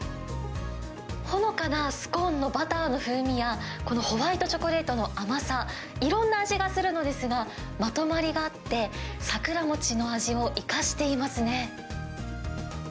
ほのかなスコーンのバターの風味や、このホワイトチョコレートの甘さ、いろんな味がするのですが、まとまりがあって、桜餅の味を生